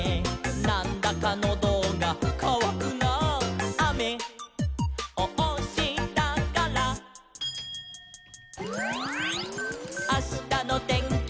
「『なんだかノドがかわくなあ』」「あめをおしたから」「あしたのてんきは」